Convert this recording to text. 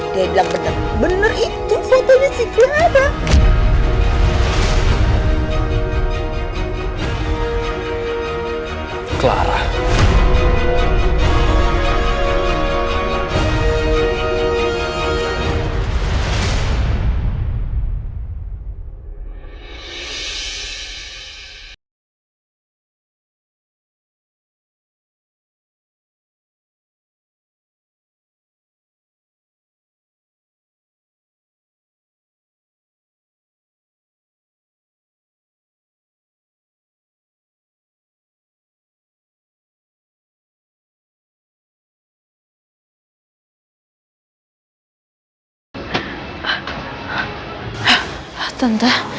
dia bilang bener bener itu fotonya si clara